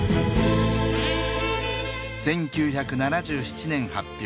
１９７７年発表。